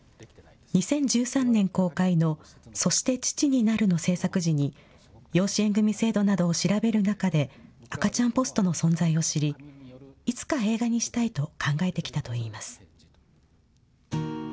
２０１３年公開のそして父になるの製作時に、養子縁組み制度などを調べる中で、赤ちゃんポストの存在を知り、いつか映画にしたいと考えてきたといいます。